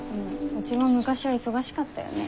うちも昔は忙しかったよね。